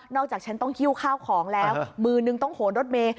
จากฉันต้องหิ้วข้าวของแล้วมือนึงต้องโหนรถเมย์